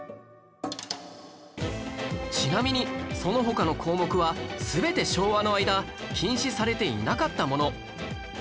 ちなみにその他の項目は全て昭和の間禁止されていなかったもの